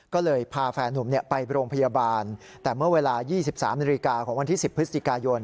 ก็เลยพาแฟนนุ่มไปโรงพยาบาลแต่เมื่อเวลา๒๓นาฬิกาของวันที่๑๐พฤศจิกายน